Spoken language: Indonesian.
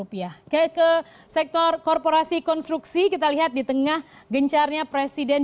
oke ke sektor korporasi konstruksi kita lihat di tengah gencarnya presiden